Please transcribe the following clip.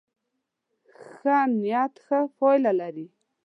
ښه نيت ښه پایله لري.